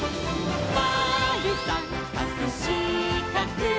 「まるさんかくしかく」